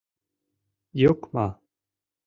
Йокма.